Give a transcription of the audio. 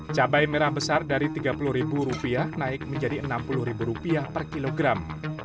cabai merah besar dari rp tiga puluh naik menjadi rp enam puluh per kilogram